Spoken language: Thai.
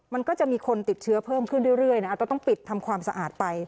มันก็จะมีคนติดเชื้อเพิ่มขึ้นเรื่อยนะอาจจะต้องปิดทำความสะอาดไป